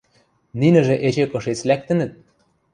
– Нинӹжӹ эче кышец лӓктӹнӹт?